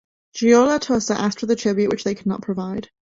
Giolla Tosa asked for tribute which they could not provide.